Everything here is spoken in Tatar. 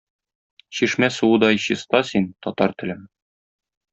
Чишмә суыдай чиста син, татар телем.